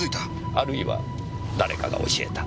あるいは誰かが教えた。